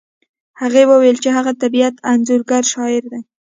هغې وویل چې هغه د طبیعت انځورګر شاعر دی